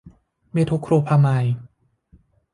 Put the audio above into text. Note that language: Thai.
เมโทโคลพราไมด์